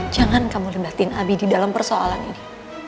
jangan kamu lebatin abi di dalam persoalan ini